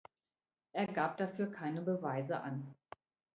Er gab dafür keine Beweise an.